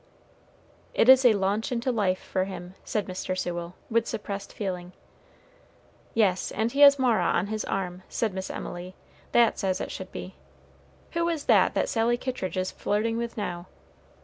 "It is a launch into life for him," said Mr. Sewell, with suppressed feeling. "Yes, and he has Mara on his arm," said Miss Emily; "that's as it should be. Who is that that Sally Kittridge is flirting with now?